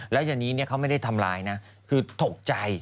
แล้วอย่างนี้เขาไม่ได้ทำร้ายนะคือตกใจ